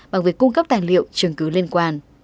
bằng việc cung cấp tài liệu chứng cứ liên quan